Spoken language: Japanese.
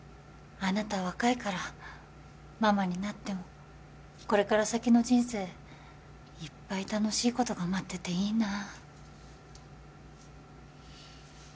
あなた若いからママになってもこれから先の人生いっぱい楽しいことが待ってていいなあ